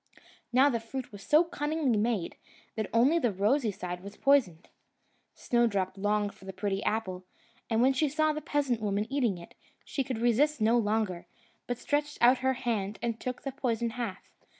Now the fruit was so cunningly made, that only the rosy side was poisoned. Snowdrop longed for the pretty apple; and when she saw the peasant woman eating it, she could resist no longer, but stretched out her hand and took the poisoned half.